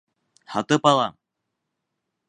Һатып ала!